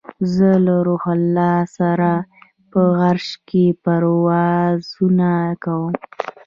زه له روح الله سره په عرش کې پروازونه کوم